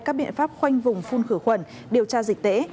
các biện pháp khoanh vùng phun khử khuẩn điều tra dịch tễ